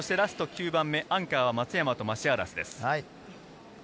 ラスト９番目、アンカーは松山とマシアラスです。